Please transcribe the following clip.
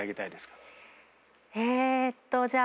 えーっとじゃあ。